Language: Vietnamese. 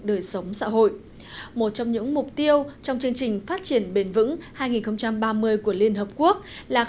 đời sống xã hội một trong những mục tiêu trong chương trình phát triển bền vững hai nghìn ba mươi của liên hợp quốc là